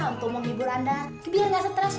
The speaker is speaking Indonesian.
untuk menghibur anda biar nggak stres